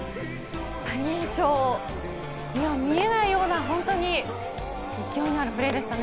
最年少には見えないような勢いのあるプレーでしたね。